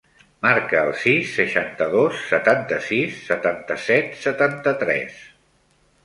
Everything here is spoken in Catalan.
Marca el sis, seixanta-dos, setanta-sis, setanta-set, setanta-tres.